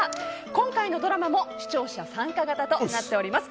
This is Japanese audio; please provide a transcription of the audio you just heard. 今回のドラマも視聴者参加型となっています。